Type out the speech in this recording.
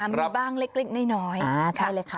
มูบ้างเล็กน้อย